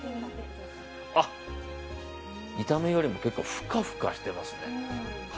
あ、見た目よりも結構ふかふかしてますね。